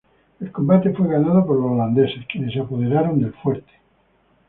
El combate fue ganado por los holandeses, quienes se apoderaron del fuerte.